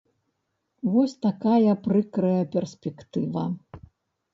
Вось такая прыкрая перспектыва.